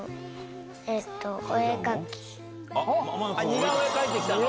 似顔絵描いてきたの？